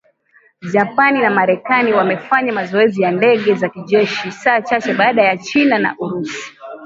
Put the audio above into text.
Japan na Marekani wamefanya mazoezi ya ndege za kijeshi saa chache baada ya China na Urusi